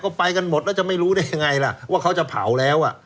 ก็ไปกันหมดแล้วจะไม่รู้ได้ยังไงล่ะว่าเขาจะเผาแล้วอ่ะ